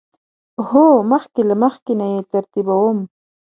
هو، مخکې له مخکی نه یی ترتیبوم